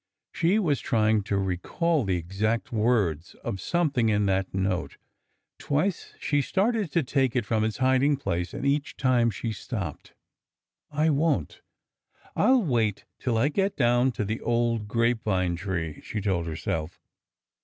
She was trying to recall the exact words of something in that note. Twice she started to take it from its hiding place, and each time she stopped. " I won't ! I 'll wait till I get down to the old grape vine tree," she told herself.